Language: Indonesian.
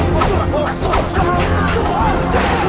tapi pasti disini